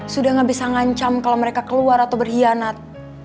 sudah gak bisa ngancam kalau mereka keluar atau berkhianat